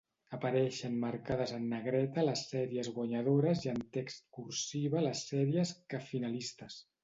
Apareixen marcades en negreta les sèries guanyadores i en text cursiva les sèries que finalistes.